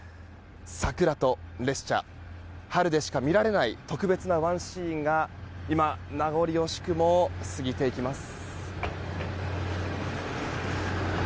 桜と列車、春でしか見られない特別なワンシーンが今、名残惜しくも過ぎていきます。